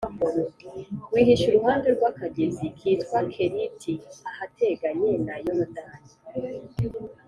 wihishe iruhande rw’akagezi kitwa Keriti ahateganye na Yorodani